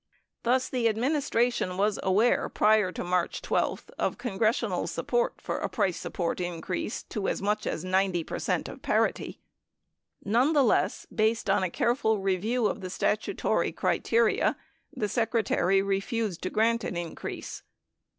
Thus, the administration was aware, prior to March 12, of congres sional support for a price support increase to as much as 90 percent of parity. Nonetheless, based on a careful review of the statutory criteria, the Secretary refused to grant an increase.